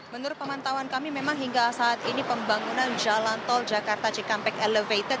menurut pemantauan kami memang hingga saat ini pembangunan jalan tol jakarta cikampek elevated